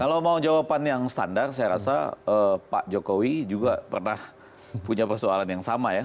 kalau mau jawaban yang standar saya rasa pak jokowi juga pernah punya persoalan yang sama ya